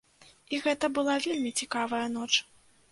І гэта была вельмі цікавая ноч.